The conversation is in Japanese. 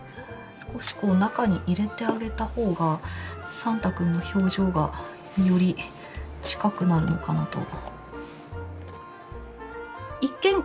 少しこう中に入れてあげた方がサンタ君の表情がより近くなるのかなと。